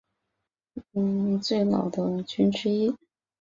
桑莫塞郡为美国最老的郡之一。